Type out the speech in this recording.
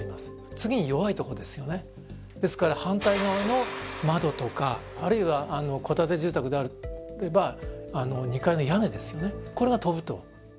次に弱いとこですよねですから反対側の窓とかあるいは戸建て住宅であれば２階の屋根ですよねこれが飛ぶと。